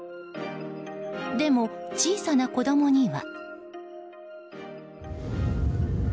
でも、小さな子供には。